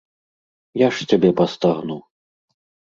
Я ж цябе пастагну!